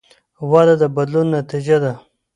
وده د بدلون نتیجه ده.